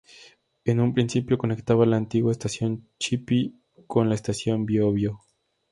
En un principio conectaba la antigua Estación Chepe con la Estación Biobío.